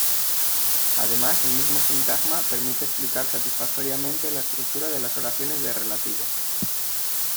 Además el mismo sintagma permite explicar satisfactoriamente la estructura de las oraciones de relativo.